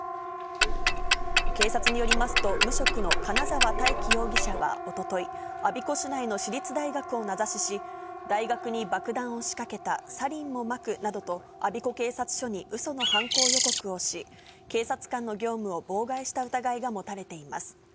警察によりますと、無職の金澤大喜容疑者はおととい、我孫子市内の私立大学を名指しし、大学に爆弾を仕掛けた、サリンもまくなどと、我孫子警察署にうその犯行予告をし、警察官の業務を妨害した疑いが持たれています。